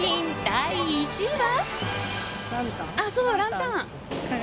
第１位は。